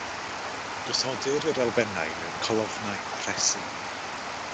Gosodir yr elfennau mewn colofnau a rhesi.